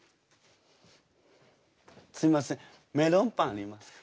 すいませんメロンパンありますか？